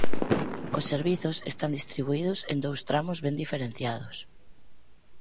Os servizos están distribuídos en dous tramos ben diferenciados.